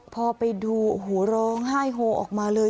พอไปดูโอ้โหร้องไห้โฮออกมาเลย